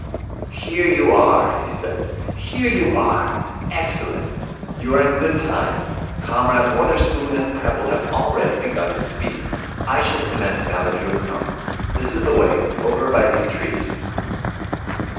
'Here you are,' he said. 'Here you are. Excellent. You are in good time. Comrades Wotherspoon and Prebble have already begun to speak. I shall commence now that you have come. This is the way. Over by these trees.'